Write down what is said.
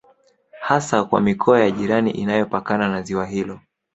Hasa kwa mikoa ya jirani inayopakana na ziwa hilo